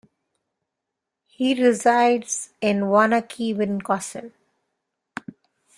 He resides in Waunakee, Wisconsin.